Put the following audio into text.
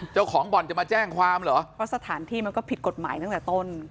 เจ้าของบ่อนจะมาแจ้งความเหรอเพราะสถานที่มันก็ผิดกฎหมายตั้งแต่ต้น